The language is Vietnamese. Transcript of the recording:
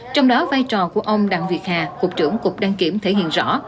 trong đó vai trò của ông đặng việt hà cục trưởng cục đăng kiểm thể hiện rõ